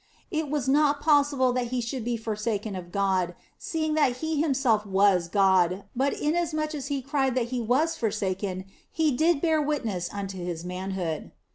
It was not possible that He should be forsaken of God, seeing that He Himself was God, but inasmuch as He cried that He was forsaken He did bear witness unto His manhood.